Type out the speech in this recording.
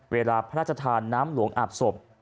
เวลาพระราชทานน้ำหลวงอาบศพ